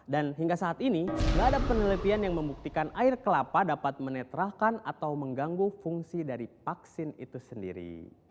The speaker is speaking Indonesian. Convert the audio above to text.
dan hingga saat ini tidak ada penelitian yang membuktikan air kelapa dapat menetrahkan atau mengganggu fungsi dari vaksin itu sendiri